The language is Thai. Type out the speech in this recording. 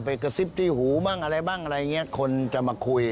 กระซิบที่หูบ้างอะไรบ้างอะไรอย่างนี้คนจะมาคุย